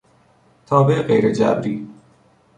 تابع غیر جبری